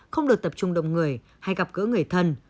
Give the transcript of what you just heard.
không được tập trung đông người hay gặp gỡ người thân